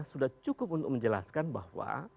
sudah cukup untuk menjelaskan bahwa